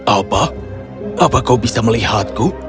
apa apa kau bisa melihatku